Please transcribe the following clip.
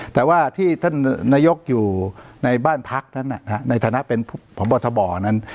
แต่ว่าที่ท่านนายกอยู่ในบ้านพักนั้นในฐานะเป็นพบทบนั้น